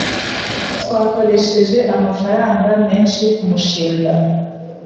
Twakoresheje amafaranga menshi kumushinga.